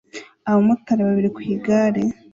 abamotari babiri ku igare